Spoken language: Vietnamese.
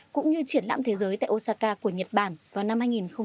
cũng như triển lãm thế giới tại osaka của nhật bản vào năm hai nghìn hai mươi